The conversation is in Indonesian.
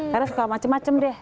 karena suka macam macam deh